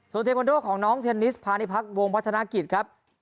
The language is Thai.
เทคอนโดของน้องเทนนิสพาณิพักษวงพัฒนากิจครับ